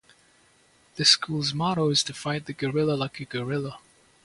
The school's motto is to "fight the guerrilla like a guerrilla".